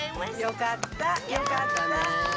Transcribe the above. よかったよかった。